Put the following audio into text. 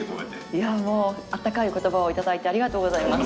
いやもうあったかいお言葉を頂いてありがとうございます。